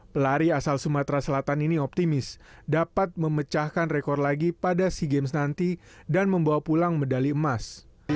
pelari asal sumatera selatan ini optimis dapat memecahkan rekor lagi pada sea games nanti dan membawa pulang medali emas